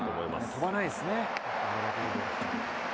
飛ばないんですね。